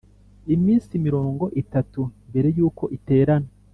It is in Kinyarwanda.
iminsi mirongo itatu mbere yuko iterana